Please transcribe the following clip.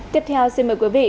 tiếp theo xin mời quý vị